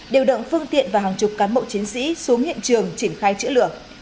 đều đợng phương tiện và hàng chục cán bộ chiến sĩ xuống hiện trường triển khai chữa lửa